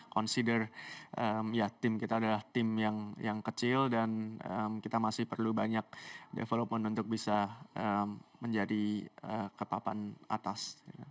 consider ya tim kita adalah tim yang kecil dan kita masih perlu banyak development untuk bisa menjadi kepapan atas